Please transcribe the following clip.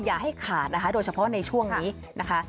อย่าให้ขาดนะคะโดยเฉพาะในช่วงนี้นะคะ